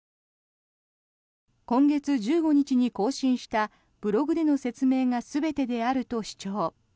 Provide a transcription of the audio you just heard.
今月１５日に更新したブログでの説明が全てであると主張。